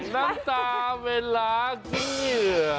ร้องกี้